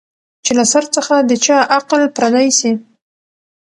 چي له سر څخه د چا عقل پردی سي